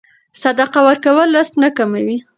صدقه ورکول رزق نه کموي.